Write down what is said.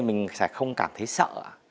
mình sẽ không cảm thấy sợ ạ